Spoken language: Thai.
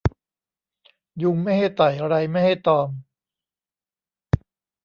ยุงไม่ให้ไต่ ไรไม่ให้ตอม